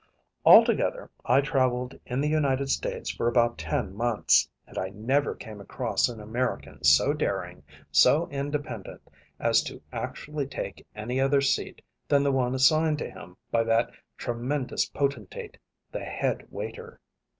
Altogether I traveled in the United States for about ten months, and I never came across an American so daring, so independent, as to actually take any other seat than the one assigned to him by that tremendous potentate, the head waiter.